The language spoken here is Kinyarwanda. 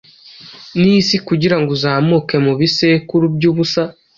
Nisi Kugirango Uzamuke Mubisekuru byubusa: